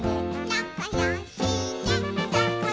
「なかよしね」